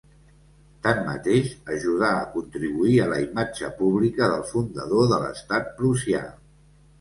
Tanmateix, ajudà a contribuir a la imatge pública del fundador de l'Estat prussià.